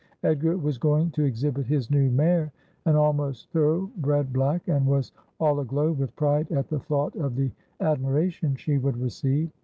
Edgar was going to exhibit his new mare, an almost thorough bred black, and was all aglow with pride at the thought of the admiration she would receive.